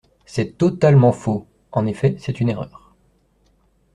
C’est totalement faux ! En effet, c’est une erreur.